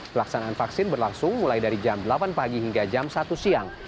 pelaksanaan vaksin berlangsung mulai dari jam delapan pagi hingga jam satu siang